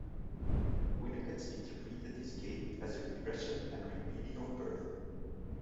Winnicott interpreted this game as a regression and a repeating of birth.